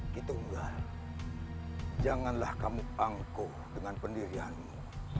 ketunggal janganlah kamu angkuh dengan pendirianmu